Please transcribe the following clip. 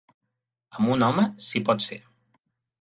Amb un home si pot ser.